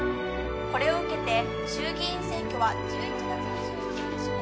これを受けて衆議院選挙は１１月２９日公示。